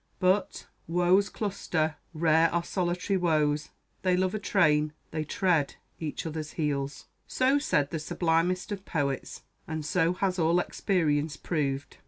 But, "Woes cluster. Rare are solitary woes; They love a train they tread each other's heels." So said the sublimest of poets, and so has all experience proved.